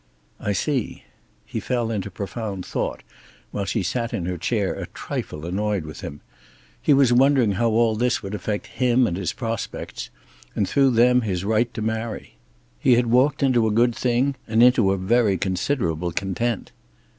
"I see." He fell into profound thought, while she sat in her chair a trifle annoyed with him. He was wondering how all this would affect him and his prospects, and through them his right to marry. He had walked into a good thing, and into a very considerable content.